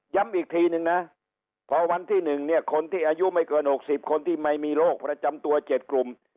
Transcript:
อีกทีนึงนะพอวันที่๑เนี่ยคนที่อายุไม่เกิน๖๐คนที่ไม่มีโรคประจำตัว๗กลุ่ม